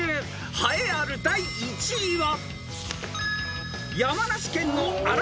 ［栄えある第１位は］